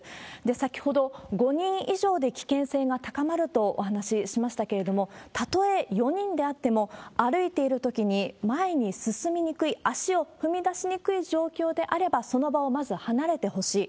先ほど５人以上で危険性が高まるとお話ししましたけれども、たとえ４人であっても、歩いているときに前に進みにくい、足を踏み出しにくい状況であれば、その場をまず離れてほしい。